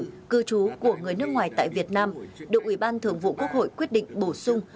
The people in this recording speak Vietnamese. luật nhập cảnh cư trú của người nước ngoài tại việt nam được ủy ban thượng vụ quốc hội quyết định bổ sung